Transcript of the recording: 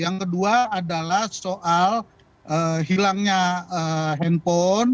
yang kedua adalah soal hilangnya handphone